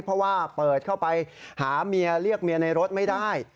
เพราะว่าเปิดเข้าไปหาเมียเรียกเมียในรถไม่ได้